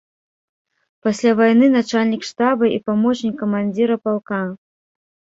Пасля вайны начальнік штаба і памочнік камандзіра палка.